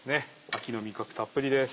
秋の味覚たっぷりです。